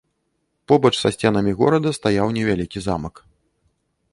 Побач са сценамі горада стаяў невялікі замак.